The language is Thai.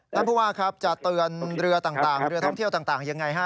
ต้านผู้ว่าจะเตือนเรือท่องเที่ยวต่างยังไง